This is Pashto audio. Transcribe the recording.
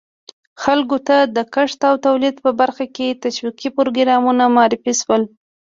خلکو ته د کښت او تولید په برخه کې تشویقي پروګرامونه معرفي شول.